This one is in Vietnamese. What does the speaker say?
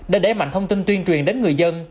để đẩy mạnh thông tin tuyên truyền đến người dân